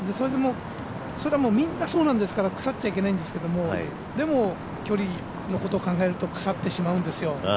みんな、そうなんですから腐っちゃいけないんですけどでも、距離のことを考えると、腐ってしまうんですよ。